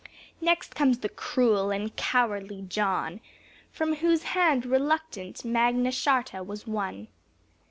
Next comes the cruel and cowardly John, From whose hand, reluctant, Magna Charta was won.